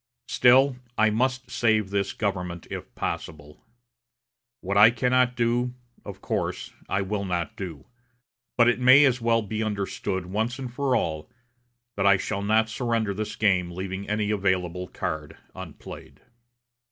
Still, I must save this government if possible. What I cannot do, of course I will not do; but it may as well be understood, once for all, that I shall not surrender this game leaving any available card unplayed."